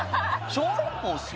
小籠包っすよ